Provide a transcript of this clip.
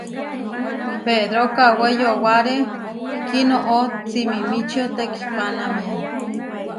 Pedro kawé yowáre kinoʼó simimičío tekipánamia.